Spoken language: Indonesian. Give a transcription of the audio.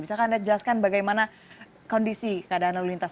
bisakah anda jelaskan bagaimana kondisi keadaan lalu lintas